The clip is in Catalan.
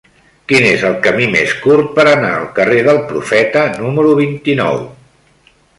Quin és el camí més curt per anar al carrer del Profeta número vint-i-nou?